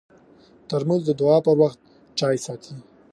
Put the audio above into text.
ترموز د دعا پر وخت چای ساتي.